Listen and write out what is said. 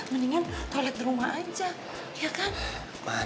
mendingan toilet di rumah aja ya kan